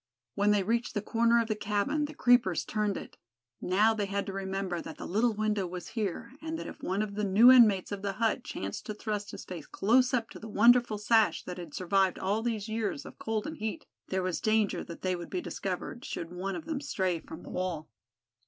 When they reached the corner of the cabin the creepers turned it. Now they had to remember that the little window was here, and that if one of the new inmates of the hut chanced to thrust his face close up to the wonderful sash that had survived all these years of cold and heat, there was danger that they would be discovered, should one of them stray from the wall.